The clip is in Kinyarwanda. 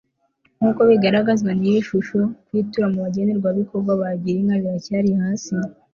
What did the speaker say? nk uko bigaragazwa n iyi shusho kwitura mu bagenerwabikorwa ba girinka biracyari hasi